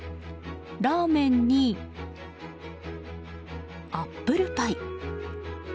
ラーメンに、アップルパイ。